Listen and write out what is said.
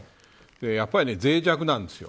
やっぱりぜい弱なんですよ。